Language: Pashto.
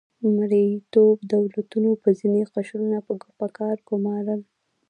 مرئیتوب دولتونو به ځینې قشرونه په کار ګمارل.